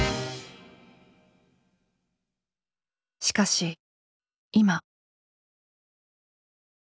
しかし今。